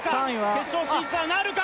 決勝進出はなるか？